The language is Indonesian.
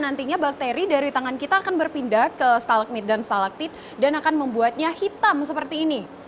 nantinya bakteri dari tangan kita akan berpindah ke stalagmit dan stalaktit dan akan membuatnya hitam seperti ini